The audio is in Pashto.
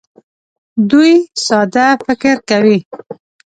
دوی ساده فکر کوي.